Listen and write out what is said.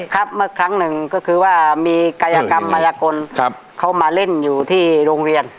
ครับเมื่อครั้งหนึ่งก็คือว่ามีกายกรรมมายกลเขามาเล่นอยู่ที่โรงเรียน